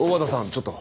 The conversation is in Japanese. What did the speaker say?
ちょっと。